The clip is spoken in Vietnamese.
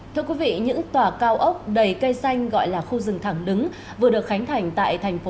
thưa quý vị những tòa cao ốc đầy cây xanh gọi là khu rừng thẳng đứng vừa được khánh thành tại thành phố